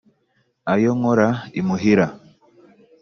Ayo nkora imuhira